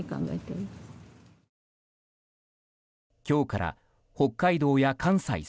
今日から北海道や関西